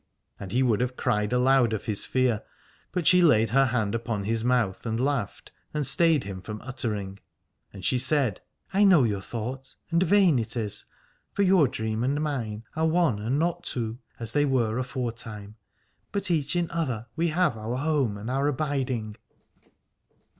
And he would have cried aloud of his fear, but she laid her hand upon his mouth and laughed and stayed him from uttering. And she said : I know your thought, and vain it is : for your dream and mine are one and not two, as they were aforetime, but each in other we have our home and our abiding.